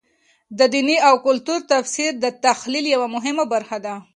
د دیني او کلتور تفسیر د تحلیل یوه مهمه برخه ده.